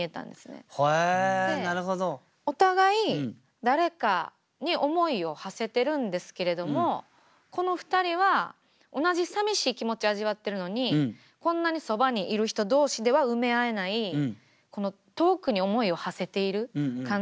お互い誰かに思いを馳せてるんですけれどもこの２人は同じさみしい気持ち味わってるのにこんなにそばにいる人同士では埋め合えない遠くに思いを馳せている感じ。